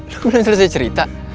lo belum selesai cerita